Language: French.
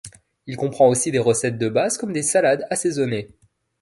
Il comprend aussi des recettes de base comme des salades assaisonnées.